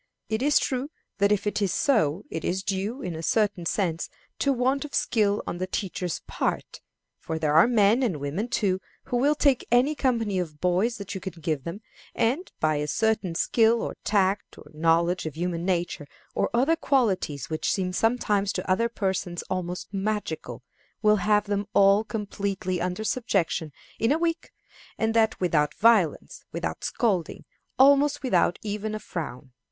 It is true that if it is so, it is due, in a certain sense, to want of skill on the teacher's part; for there are men, and women too, who will take any company of boys that you can give them, and, by a certain skill, or tact, or knowledge of human nature, or other qualities which seem sometimes to other persons almost magical, will have them all completely under subjection in a week, and that without violence, without scolding, almost without even a frown.